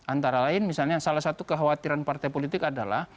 antara lain misalnya salah satu kekhawatiran partai politik adalah